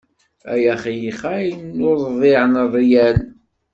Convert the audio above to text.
Ay axelxal uḍbiɛ n rryal.